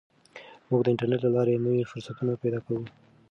موږ د انټرنیټ له لارې نوي فرصتونه پیدا کوو.